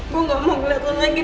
gue gak mau keliatan lo lagi